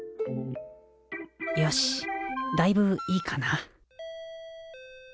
よしだいぶいいかな。